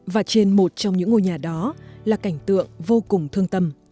và trên một trong những ngôi nhà đó là cảnh tượng vô cùng thương tâm